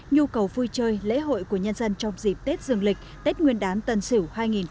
nhu cầu vui chơi lễ hội của nhân dân trong dịp tết dương lịch tết nguyên đán tân sỉu hai nghìn hai mươi một